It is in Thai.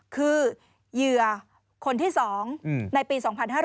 คือเหยื่อคนที่๒ในปี๒๕๕๙